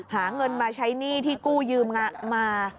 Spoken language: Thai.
หาเงินมาใช้หนี้ที่กู้ยืมมา